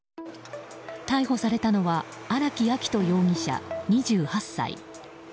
逮捕されたのは荒木秋冬容疑者、２８歳。